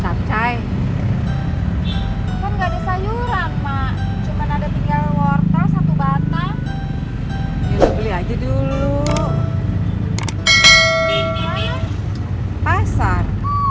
tadi katanya gak mau mampir ke pasar